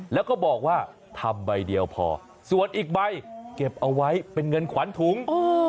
แล้วก็บอกว่าทำใบเดียวพอส่วนอีกใบเก็บเอาไว้เป็นเงินขวัญถุง